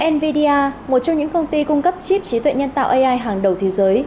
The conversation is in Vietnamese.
nvidia một trong những công ty cung cấp chip trí tuệ nhân tạo ai hàng đầu thế giới